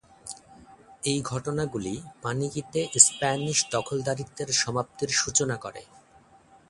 এই ঘটনাগুলি পানিকিতে স্প্যানিশ দখলদারিত্বের সমাপ্তির সূচনা করে।